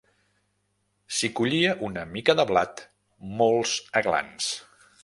S'hi collia una mica de blat, molts aglans.